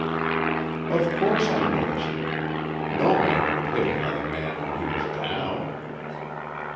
"Of course, I noticed it. No man would hit another when he was down."